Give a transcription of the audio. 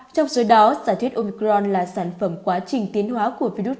trong số đó giả thuyết omicron là sản phẩm quá trình tiến hóa của virus